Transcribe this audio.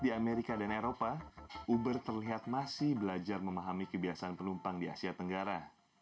di amerika dan eropa uber terlihat masih belajar memahami kebiasaan penumpang di asia tenggara